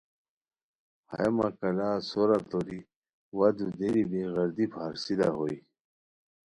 ہیہ مکالہ سورا توری وا دودیر بی غیر دی پھار سیدھا ہوئے